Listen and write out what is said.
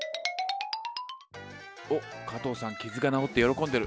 おっ加藤さん傷が治って喜んでる。